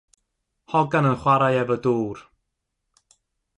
Hogan yn chwarae efo dŵr.